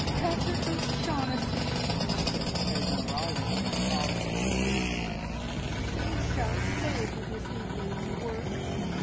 "Patrick O'Shaughnessy," said Esmeralda in an awful voice, "you shall pay for this evening's work!"